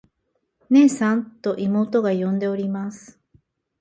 「ねえさん。」と妹が呼んでおります。